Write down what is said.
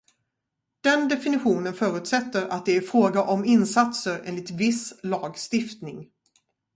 Den definitionen förutsätter att det är fråga om insatser enligt viss lagstiftning.